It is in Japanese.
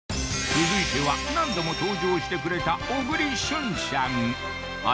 続いては何度も登場してくれた小栗旬さん